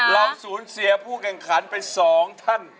เราสูญเสียผู้แข่งขันไป๒ท่าน